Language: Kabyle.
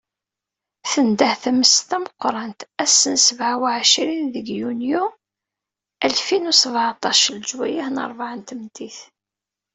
Tendeh tmes d tameqqrant ass n sebεa u εecrin deg yunyu alfin u seεṭac leǧwayah n rrebεa n tmeddit.